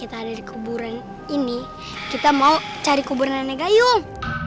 itu kan nyanyinya nenek jayung